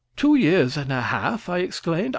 "Two years and a half!" I exclaimed.